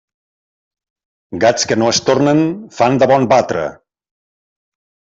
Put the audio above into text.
Gats que no es tornen, fan de bon batre.